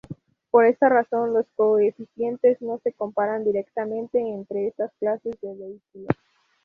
Por esta razón, los coeficientes no se comparan directamente entre estas clases de vehículos.